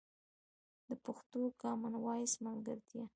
د پښتو کامن وایس ملګرتیا